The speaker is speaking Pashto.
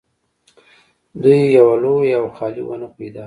دوی یوه لویه او خالي ونه پیدا کړه